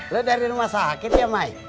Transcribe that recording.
lu dari rumah sakit ya mai